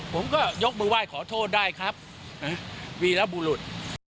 ผมก็ยกมือไหว้ขอโทษได้ครับวีรบุรุษ